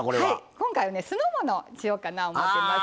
今回は酢の物にしようかな思ってます。